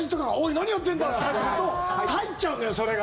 何やってんだって入ってくると入っちゃうのよ、それが。